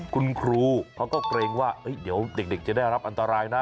คุณครูเขาก็เกรงว่าเดี๋ยวเด็กจะได้รับอันตรายนะ